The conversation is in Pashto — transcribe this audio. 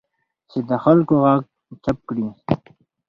چې د خلکو غږ چپ کړي